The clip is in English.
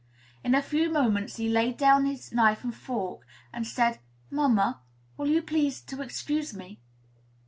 In a few moments he laid down his knife and fork, and said, "Mamma, will you please to excuse me?"